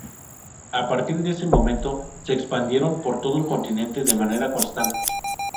A partir de ese momento, se expandieron por todo el continente de manera constante.